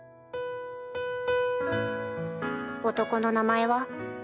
男の名前は？